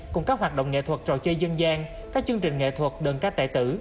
cùng các hoạt động nghệ thuật trò chơi dân gian các chương trình nghệ thuật đơn ca tệ tử